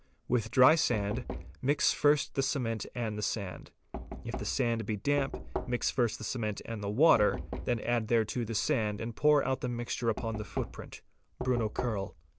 With dry sand, mix first the cement and the sand: if the sand be damp, mix first the cement and the water, then add thereto the sand and pour out the mixture upon the footprint (Bruno Kerl).